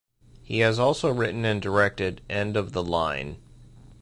He has also written and directed "End of the Line".